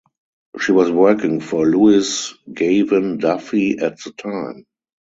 She was working for Louise Gavan Duffy at the time.